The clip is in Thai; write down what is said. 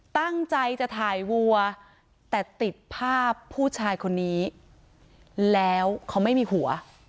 ตั้งใจจะถ่ายวัวแต่ติดภาพผู้ชายคนนี้แล้วเขาไม่มีหัว